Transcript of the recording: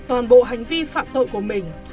toàn bộ hành vi phạm tội của mình